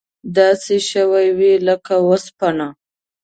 داسې شوي وې لکه وسپنه.